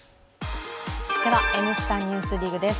「Ｎスタ・ＮＥＷＳＤＩＧ」です。